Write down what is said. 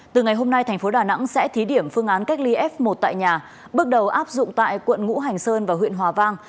từ ngày hôm nay thành phố đà nẵng sẽ thí điểm phương án cách ly f một tại nhà bước đầu áp dụng tại quận ngũ hành sơn và huyện hòa vang